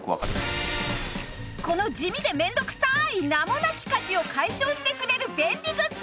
この地味で面倒くさい名もなき家事を解消してくれる便利グッズ。